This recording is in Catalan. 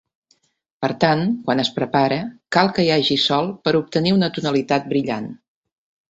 Per tant, quan es prepara cal que hi hagi Sol per obtenir una tonalitat brillant.